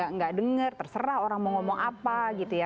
nggak denger terserah orang mau ngomong apa gitu ya